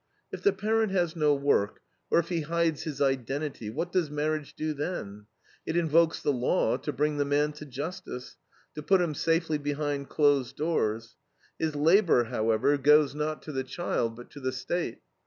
If the parent has no work, or if he hides his identity, what does marriage do then? It invokes the law to bring the man to "justice," to put him safely behind closed doors; his labor, however, goes not to the child, but to the State.